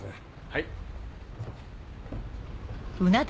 はい。